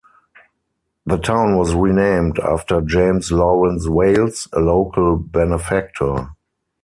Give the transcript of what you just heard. The town was renamed after James Lawrence Wales, a local benefactor.